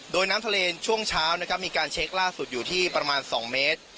โดยน้ำทะเลช่วงเช้ามีการเช็คล่าสุดอยู่ที่๒เมตร